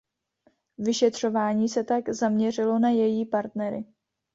Vyšetřování se tak zaměřilo na její partnery.